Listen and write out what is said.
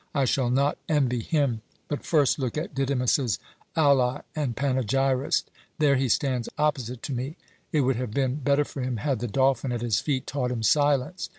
I shall not envy him. But first look at Didymus's ally and panegyrist. There he stands opposite to me. It would have been better for him had the dolphin at his feet taught him silence.